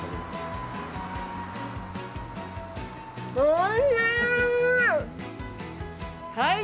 おいしい！